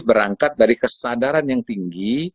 berangkat dari kesadaran yang tinggi